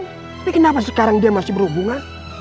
tapi kenapa sekarang dia masih berhubungan